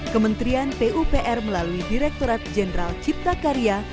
kementerian pupr melalui direkturat jenderal cipta karya